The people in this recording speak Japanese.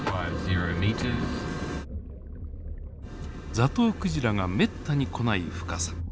ザトウクジラがめったに来ない深さ。